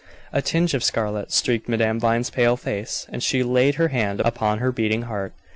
A tinge of scarlet streaked Madame Vine's pale face, and she laid her hand upon her beating heart.